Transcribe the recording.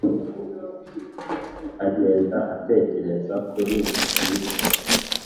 agend atekereza kuri mico